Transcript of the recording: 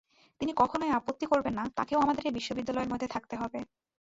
তিনি কখনোই আপত্তি করবেন না– তাঁকেও আমাদের এই বিদ্যালয়ের মধ্যে থাকতে হবে।